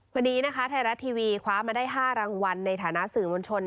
วันนี้นะคะไทยรัฐทีวีคว้ามาได้๕รางวัลในฐานะสื่อมวลชน